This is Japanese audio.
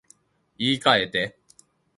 言い換えて